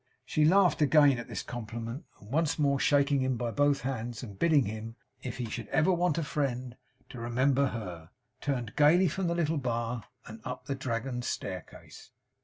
She laughed again at this compliment; and, once more shaking him by both hands, and bidding him, if he should ever want a friend, to remember her, turned gayly from the little bar and up the Dragon staircase.